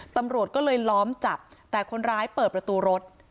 ตำรวจก็เลยล้อมจับแต่คนร้ายเปิดประตูรถ